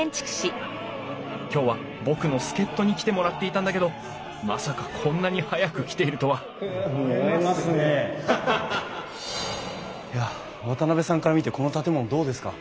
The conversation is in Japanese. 今日は僕の助っとに来てもらっていたんだけどまさかこんなに早く来ているとはいや渡さんから見てこの建物どうですか？